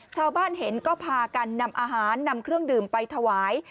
ชาวบ้านเห็นก็พากันนำอาหารนำเครื่องดื่มไปถวาย